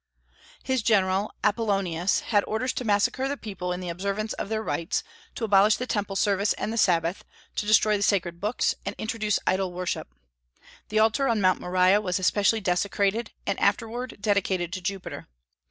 His general, Apollonius, had orders to massacre the people in the observance of their rites, to abolish the Temple service and the Sabbath, to destroy the sacred books, and introduce idol worship. The altar on Mount Moriah was especially desecrated, and afterward dedicated to Jupiter.